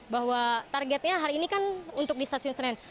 bahwa targetnya hari ini kan untuk di stasiun senen